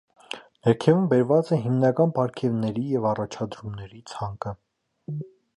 Ներքևում բերված է հիմնական պարգևների և առաջադրումների ցանկը։